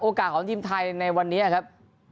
ของทีมไทยในวันนี้ครับ